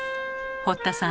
堀田さん